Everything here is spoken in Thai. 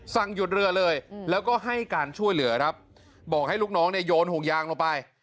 สั่งหยุดเรือเลยแล้วก็ให้การช่วยเหลือครับบอกให้ลูกน้องเนี่ยโยนห่วงยางลงไป